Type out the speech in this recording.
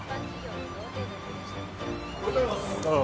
・おはようございますああ